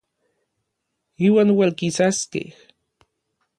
Iuan ualkisaskej.